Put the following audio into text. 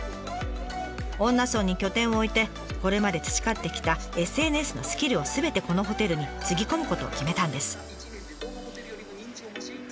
恩納村に拠点を置いてこれまで培ってきたＳＮＳのスキルをすべてこのホテルにつぎ込むことを決めたんです。